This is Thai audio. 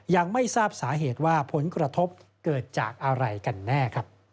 ยังไม่ทราบสาเหตุว่าผลกระทบเกิดจากอะไรกันแน่